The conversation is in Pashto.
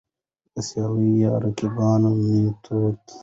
د سيالي يا رقابت ميتود: